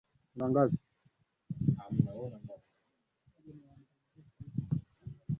Papai limeiva sana.